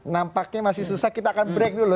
nampaknya masih susah kita akan break dulu